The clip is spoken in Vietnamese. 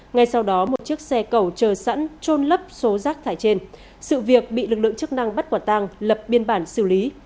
ngay sau đó một chiếc xe cầu chờ sẵn trôn lấp số rác thải trên sự việc bị lực lượng chức năng bắt quả tăng lập biên bản xử lý